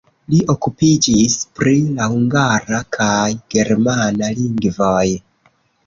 Li okupiĝis pri la hungara kaj germana lingvoj.